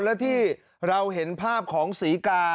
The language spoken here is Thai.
และที่เราเห็นภาพของศรีกา